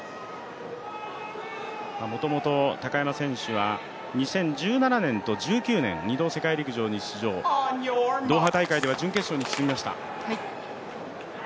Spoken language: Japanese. もともと高山選手は２０１７年と１９年２度世界陸上に出場、ドーハ大会では準決勝に進みました。